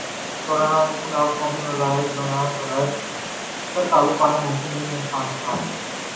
corona کے خلاف قومی محاذ بنائے بغیر اس پر قابو پانا ممکن نہیں احسن خان